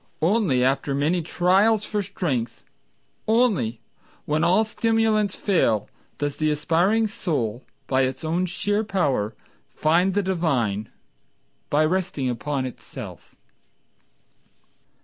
Only after many trials for strength, Only when all stimulants fail, Does the aspiring soul By its own sheer power Find the divine By resting upon itself.